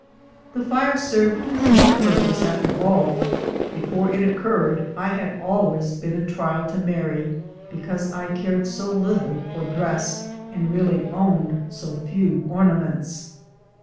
The fire served one purpose after all. Before it oc curred I had always been a trial to Mary because I cared so little for dress and really owned so few ornaments.